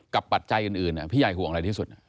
กับปัจจัยอื่นพี่ยายห่วงอะไรที่สุด